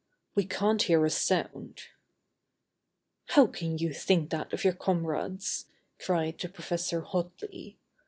"We can't hear a sound." "How can you think that of your comrades?" cried the professor hotly.